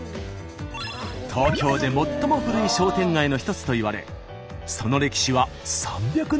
東京で最も古い商店街の一つといわれその歴史は３００年以上とも。